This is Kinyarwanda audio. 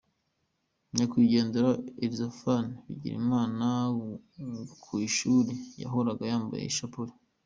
nyakwigendera Elisaphan Bigirimana ku ishuri yahoraga yambaye ishapure.